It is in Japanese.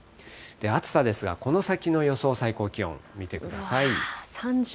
暑さですが、この先の予想最高気温、見てください。